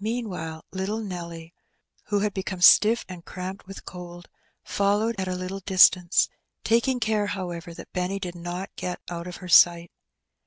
Meanwhile little Nelly, who had become stiff and cramped with cold, followed at a little distance, taking care, however, that Benny did not get out of her sight.